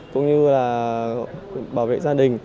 cũng như là bảo vệ gia đình